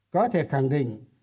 có thể khẳng định